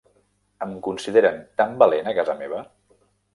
Em consideren tan valent a casa meva!